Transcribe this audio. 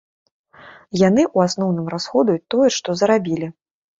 Яны, у асноўным, расходуюць тое, што зарабілі.